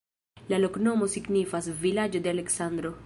La loknomo signifas: vilaĝo de Aleksandro.